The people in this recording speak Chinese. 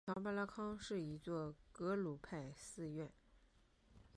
强巴拉康是一座格鲁派寺院。